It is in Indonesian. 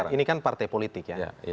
ini kan partai politik ya